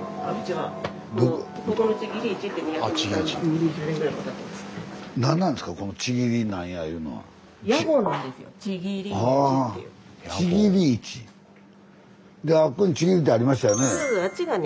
あっこにちぎりってありましたよね。